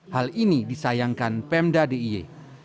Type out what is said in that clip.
hal ini disayangkan pemda d i e